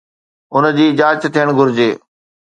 ان جي جاچ ٿيڻ گهرجي